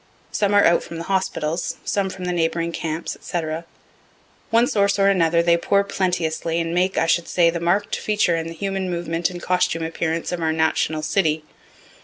Some are out from the hospitals, some from the neighboring camps, &c. One source or another, they pour plenteously, and make, I should say, the mark'd feature in the human movement and costume appearance of our national city.